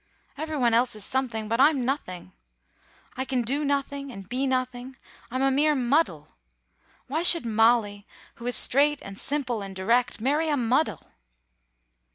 Everyone else is something; but I'm nothing. I can do nothing, and be nothing. I am a mere muddle. Why should Molly, who is straight and simple and direct, marry a muddle?"